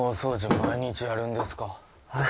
毎日やるんですか？